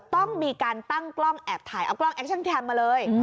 ต้องมีการตั้งกล้องแอบถ่ายเอากล้องแอคชั่นแฮมมาเลย